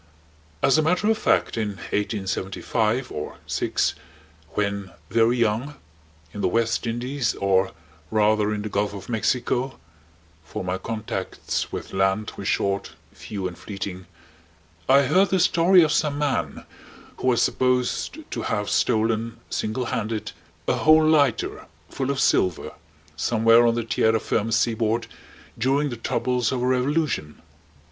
As a matter of fact in 1875 or '6, when very young, in the West Indies or rather in the Gulf of Mexico, for my contacts with land were short, few, and fleeting, I heard the story of some man who was supposed to have stolen single handed a whole lighter full of silver, somewhere on the Tierra Firme seaboard during the troubles of a revolution.